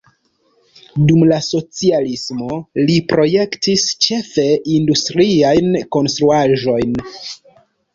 Dum la socialismo li projektis ĉefe industriajn konstruaĵojn.